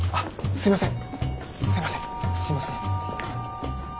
すいません。